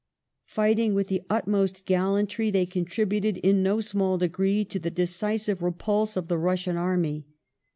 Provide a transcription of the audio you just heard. Fighting with the utmost gallantry they contributed in no small degree to the decisive repulse of the Russian army.